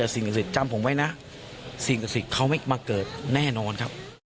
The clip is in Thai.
สิ่งตัวสิทธิ์เขาไม่มาเกิดแน่นอนครับ